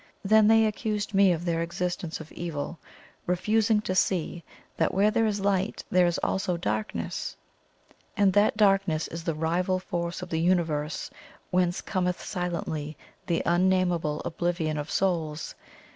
Then they accused me of the existence of evil, refusing to see that where there is light there is also darkness, and that darkness is the rival force of the Universe, whence cometh silently the Unnamable Oblivion of Souls.